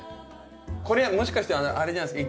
これもしかしてあれじゃないですか？